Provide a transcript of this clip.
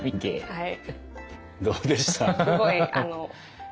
はい。